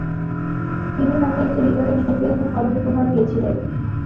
তিনি তাকে একটি হৃদয়ের ছবি আঁকা ফলক উপহার দিয়েছিলেন।